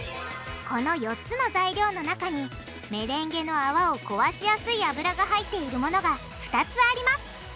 この４つの材料の中にメレンゲの泡を壊しやすい油が入っているものが２つあります。